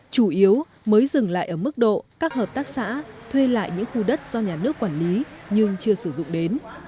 chủ yếu mới dừng lại ở mức độ các hợp tác xã thuê lại những khu đất do nhà nước quản lý nhưng chưa sử dụng đến